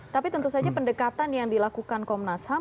tapi tentu saja pendekatan yang dilakukan komnas ham